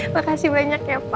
makasih banyak ya papa